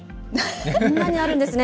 こんなのあるんですね。